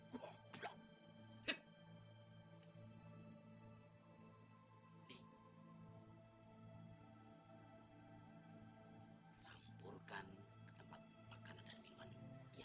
ketepan dia dia enggak tertarik sama nelly